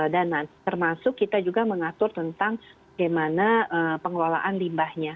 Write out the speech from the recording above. dan termasuk kita juga mengatur tentang bagaimana pengelolaan limbahnya